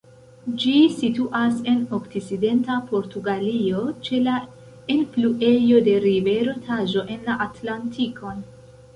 Ĝi situas en okcidenta Portugalio ĉe la enfluejo de rivero Taĵo en la Atlantikon.